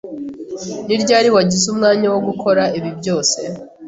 Ni ryari wagize umwanya wo gukora ibi byose?